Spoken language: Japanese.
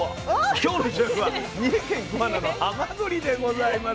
今日の主役は三重県桑名の「はまぐり」でございます。